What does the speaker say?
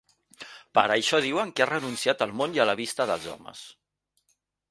Per això diuen que ha renunciat al món i a la vista dels homes.